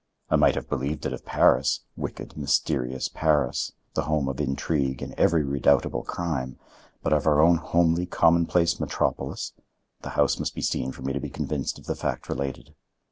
I might have believed it of Paris, wicked, mysterious Paris, the home of intrigue and every redoubtable crime, but of our own homely, commonplace metropolis—the house must be seen for me to be convinced of the fact related.